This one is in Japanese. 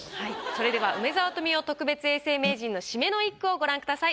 それでは梅沢富美男特別永世名人の締めの一句をご覧ください。